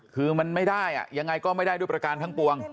คือมันไม่ได้ยังไงก็ไม่ได้ด้วยประการทั้งปวง